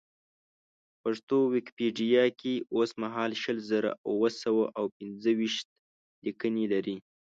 پښتو ویکیپېډیا کې اوسمهال شل زره اوه سوه او پېنځه ویشت لیکنې لري.